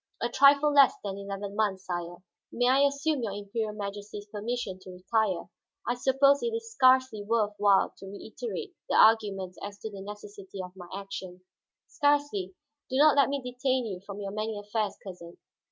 "A trifle less than eleven months, sire. May I assume your Imperial Majesty's permission to retire? I suppose it is scarcely worth while to reiterate the arguments as to the necessity of my action." "Scarcely. Do not let me detain you from your many affairs, cousin.